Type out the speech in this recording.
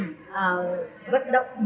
vật động người thân trong gia đình